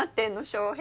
翔平。